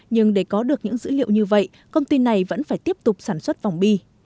nhưng để có được những dữ liệu như vậy công ty này vẫn phải tiếp tục sản xuất vòng bi